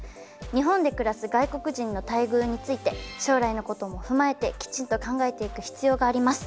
日本で暮らす外国人の待遇について将来のことも踏まえてきちんと考えていく必要があります。